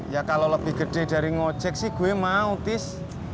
ya kalau lebih gede dari ngocek sih gue mau tis